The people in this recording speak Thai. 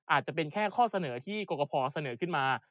อาจจะเป็นแค่ข้อเสนอที่กรกภเสนอขึ้นมา